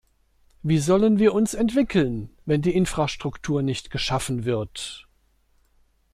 Wie sollen wir uns entwickeln, wenn die Infrastruktur nicht geschaffen wird.